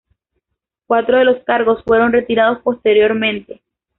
Cuatro de los cargos fueron retirados posteriormente.